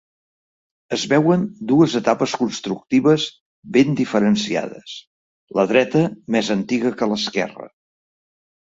Es veuen dues etapes constructives ben diferenciades: la dreta més antiga que l'esquerre.